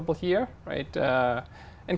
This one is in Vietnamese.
sự thích hoạt